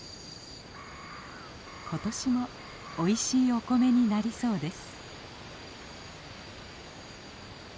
今年もおいしいお米になりそうです。